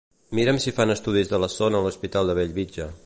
Mira'm si fan estudis de la son a l'Hospital de Bellvitge.